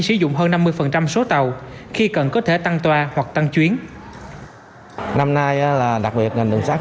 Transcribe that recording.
sử dụng hơn năm mươi số tàu khi cần có thể tăng toa hoặc tăng chuyến năm nay là đặc biệt là đường sát